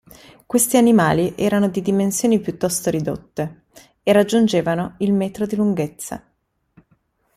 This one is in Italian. Questi animali erano di dimensioni piuttosto ridotte, e raggiungevano il metro di lunghezza.